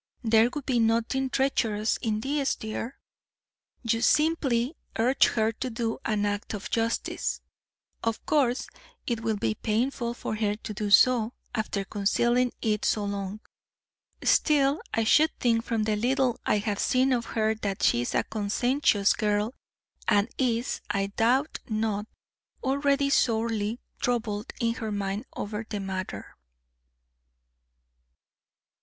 There would be nothing treacherous in this, dear. You simply urge her to do an act of justice. Of course it will be painful for her to do so, after concealing it so long. Still, I should think from the little I have seen of her that she is a conscientious girl, and is, I doubt not, already sorely troubled in her mind over the matter."